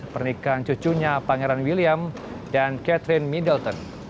pernikahan cucunya pangeran william dan catherine middleton